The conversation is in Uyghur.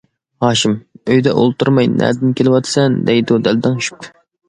ھاشىم: ئۆيدە ئولتۇرماي نەدىن كېلىۋاتىسەن دەيدۇ دەلدەڭشىپ.